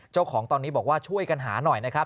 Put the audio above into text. เจ้าของตอนนี้บอกว่าช่วยกันหาหน่อยนะครับ